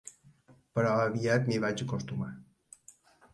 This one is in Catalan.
Però aviat m'hi vaig acostumar.